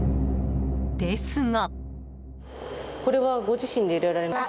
ですが。